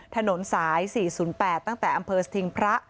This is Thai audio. ถนนสาย๔๐๘ตั้งแต่อำเภอสถิงพระ